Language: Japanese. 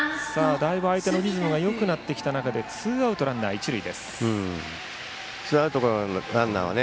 だいぶ相手のリズムがよくなってきた中でツーアウトランナー、一塁です。